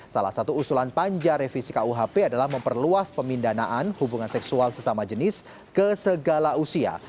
salah satu usulan panja revisi kuhp adalah memperluas pemindanaan hubungan seksual sesama jenis ke segala usia